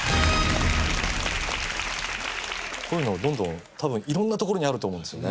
こういうのどんどん多分色んな所にあると思うんですよね。